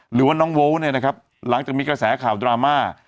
หรือว่าน้องโว้เนี่ยนะครับหลังจากมีกระแสข่าวดราม่า